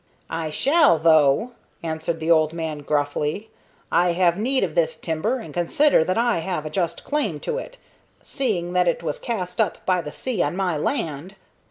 "I shall, though," answered the old man, gruffly. "I have need of this timber, and consider that I have a just claim to it, seeing that it was cast up by the sea on my land.